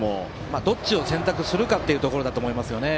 どちらを選択するかというところだと思いますね。